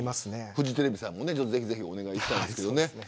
フジテレビさんもぜひお願いしたいですけどね。